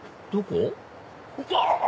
どこ？